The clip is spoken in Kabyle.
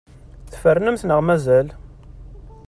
Tfernemt neɣ mazal?